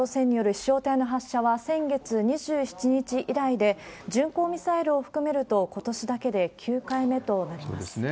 北朝鮮による飛しょう体の発射は、先月２７日以来で、巡航ミサイルを含めると、ことしだけで９回目となります。